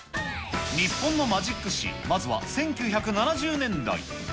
日本のマジック史、まずは１９７０年代。